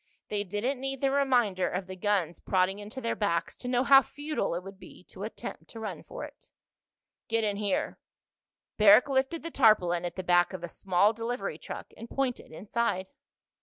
They didn't need the reminder of the guns prodding into their backs to know how futile it would be to attempt to run for it. "Get in here." Barrack lifted the tarpaulin at the back of a small delivery truck and pointed inside.